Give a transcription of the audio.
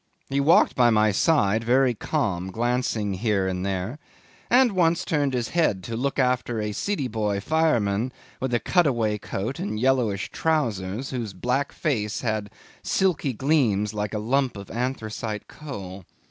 He walked by my side very calm, glancing here and there, and once turned his head to look after a Sidiboy fireman in a cutaway coat and yellowish trousers, whose black face had silky gleams like a lump of anthracite coal.